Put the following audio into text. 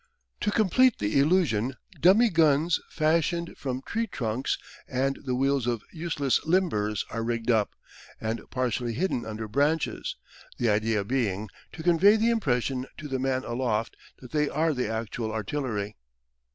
To complete the illusion dummy guns fashioned from tree trunks and the wheels of useless limbers are rigged up, and partially hidden under branches, the idea being to convey the impression to the man aloft that they are the actual artillery.